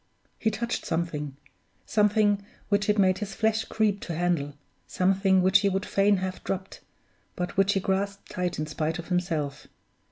He touched something! Something which it made his flesh creep to handle; something which he would fain have dropped, but which he grasped tight in spite of himself.